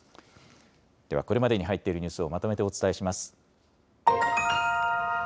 ではこれまでに入っているニュースをまとめてお伝えします。